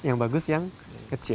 yang bagus yang kecil